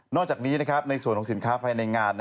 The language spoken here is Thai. อกจากนี้ในส่วนของสินค้าภายในงาน